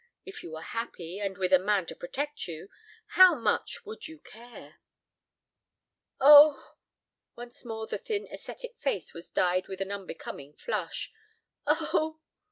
If you were happy, and with a man to protect you, how much would you care?" "Oh!" Once more the thin ascetic face was dyed with an unbecoming flush. "Oh!"